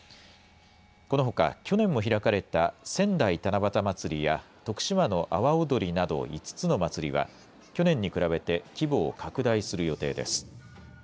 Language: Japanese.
このほか、去年も開かれた、仙台七夕まつりや、徳島の阿波おどりなど５つの祭りは、去年に比べて規模を拡大する予定です。